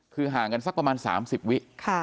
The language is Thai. คือห่างกันสักประมาณ๓๐วิ